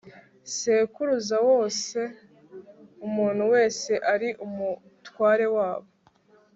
sekuruza wose umuntu wese ari umutware wabo